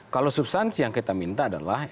kalau substansi yang kita minta adalah